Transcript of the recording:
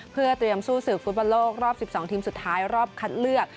เพื่อเตรียมสู้ศึกฟุตบอลโลกรอบ๑๒ทีมสุดท้ายรอบคัดเลือก